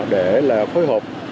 để là phối hợp